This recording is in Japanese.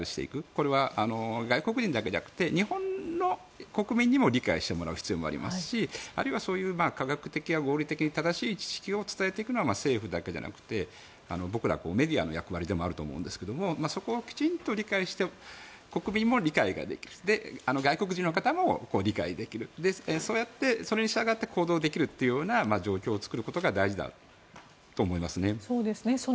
これは外国人だけじゃなくて日本の国民にも理解してもらう必要がありますしあるいはそういう科学的・合理的に正しい知識を伝えていくのは政府だけじゃなくて僕らメディアの役割でもあると思うんですがそこをきちんと理解して国民も理解ができる外国人の方も理解できるそうやって、それに従って行動できる状況を作ることが大事だと思いますね。